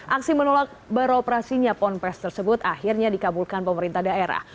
aksi menolak beroperasinya ponpes tersebut akhirnya dikabulkan pemerintah daerah